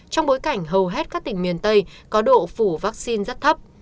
trong bối cảnh hầu hết các tỉnh miền tây có độ phủ vaccine rất thấp